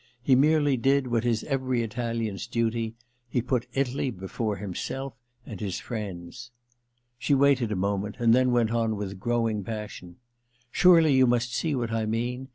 * He merely did what is every Italian's duty — he put Italy before himself and his friends.' She waited a moment, and then went on with growing passion :* Surely you must see what I mean